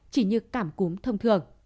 chỉ như cảm cúm thông thường